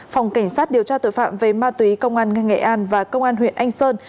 phòng cảnh sát điều tra tội phạm về ma túy công an nghệ an và công an huyện anh sơn